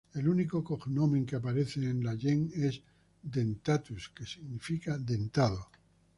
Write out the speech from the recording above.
El único cognomen que aparece en la gens es "Dentatus", que significa "dentado".